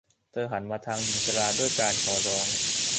เธอหันมาทางหญิงชราด้วยการขอร้อง